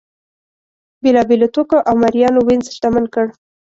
بېلابېلو توکو او مریانو وینز شتمن کړ.